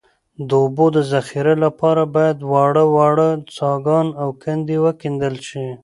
د اوبو د ذخیرې لپاره باید واړه واړه څاګان او کندې وکیندل شي